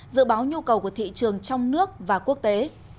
dự báo nhu cầu của thị trường trong nước và quốc tế